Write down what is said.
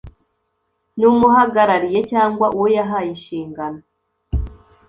n umuhagarariye cyangwa uwo yahaye inshingano